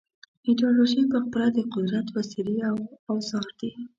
ایدیالوژۍ پخپله د قدرت وسیلې او اوزار دي.